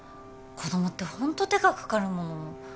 子どもってホント手がかかるもの